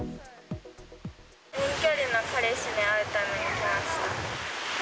遠距離の彼氏に会うために来ました。